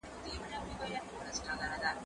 هغه وويل چي واښه مهمه ده!.